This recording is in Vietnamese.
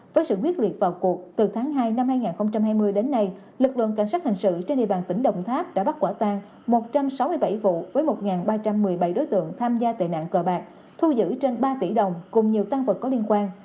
với sự quyết liệt vào cuộc từ tháng hai năm hai nghìn hai mươi đến nay lực lượng cảnh sát hình sự trên địa bàn tỉnh đồng tháp đã bắt quả tan một trăm sáu mươi bảy vụ với một ba trăm một mươi bảy đối tượng tham gia tệ nạn cờ bạc thu giữ trên ba tỷ đồng cùng nhiều tăng vật có liên quan